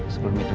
sebelum itu kita